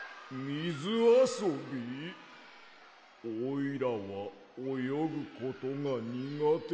おいらはおよぐことがにがてだ。